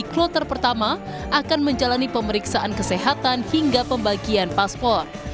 kloter pertama akan menjalani pemeriksaan kesehatan hingga pembagian paspor